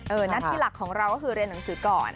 นัดที่หลักของเราก็คือเรียนหนังสือก่อน